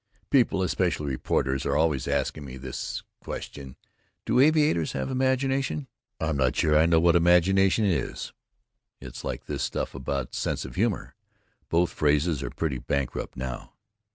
People especially reporters are always asking me this question, do aviators have imagination? I'm not sure I know what imagination is. It's like this stuff about "sense of humor." Both phrases are pretty bankrupt now.